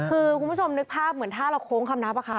คือคุณผู้ชมนึกภาพเหมือนท่าเราโค้งคำนับอะค่ะ